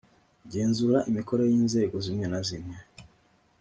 kugenzura imikorere y’inzego zimwe na zimwe